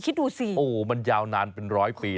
คิดดูสิโอ้โหมันยาวนานเป็นร้อยปี